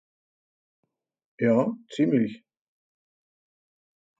Ja, ziemlich.